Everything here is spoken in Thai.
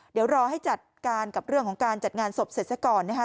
เดี๋ยวรอให้จัดการกับเรื่องของการจัดงานศพเสร็จซะก่อนนะคะ